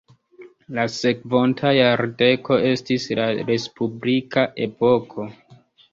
La sekvonta jardeko estis la respublika epoko.